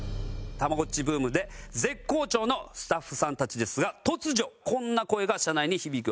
たまごっちブームで絶好調のスタッフさんたちですが突如こんな声が社内に響き渡ります。